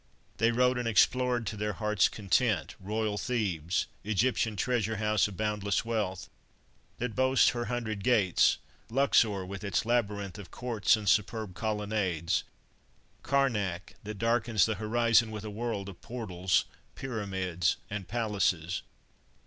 They rode and explored to their hearts' content, "Royal Thebes, Egyptian treasure house of boundless wealth, that boasts her hundred gates"; Luxor, with its labyrinth of courts, and superb colonnades; Karnak, that darkens the horizon with a world of portals, pyramids, and palaces.